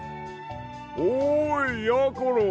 おいやころ！